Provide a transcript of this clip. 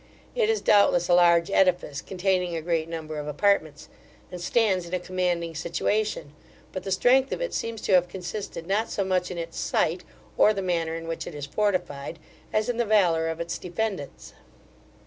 It is, doubtless, a large edifice, containing a great number of apartments, and stands in a commanding situation; but the strength of it seems to have consisted not so much in its site, or the manner in which it is fortified, as in the valour of its defendants.